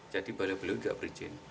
jadi baliho beliau juga berizin